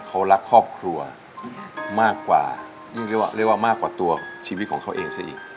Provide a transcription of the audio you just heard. เขารักครอบครัวมากกว่ายิ่งเรียกว่าเรียกว่ามากกว่าตัวชีวิตของเขาเองซะอีก